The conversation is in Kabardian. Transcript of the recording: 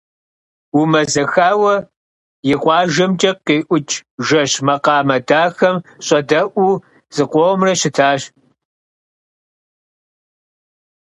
Умэзэхауэ, и къуажэмкӀэ къиӀукӀ жэщ макъамэ дахэм щӀэдэӀуу, зыкъомрэ щытащ.